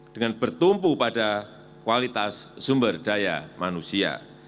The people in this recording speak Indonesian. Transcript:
dengan bertumpu pada kualitas sumber daya manusia